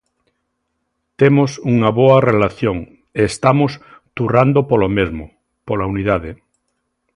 Temos unha boa relación e estamos turrando polo mesmo, pola unidade.